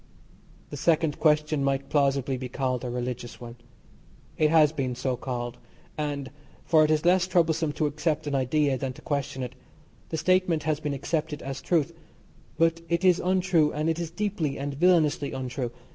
The second question might plausibly be called a religious one. It has been so called, and, for it is less troublesome to accept an idea than to question it, the statement has been accepted as truth but it is untrue, and it is deeply and villainously untrue.